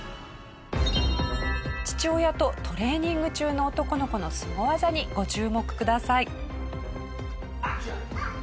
父親とトレーニング中の男の子のスゴ技にご注目ください。